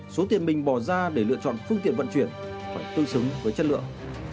số tiền mình bỏ ra để lựa chọn phương tiện vận chuyển phải tương xứng với chất lượng